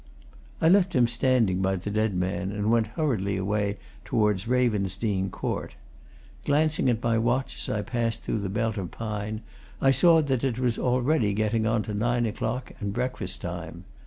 I left him standing by the dead man and went hurriedly away towards Ravensdene Court. Glancing at my watch as I passed through the belt of pine, I saw that it was already getting on to nine o'clock and breakfast time.